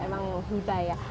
memang hibah ya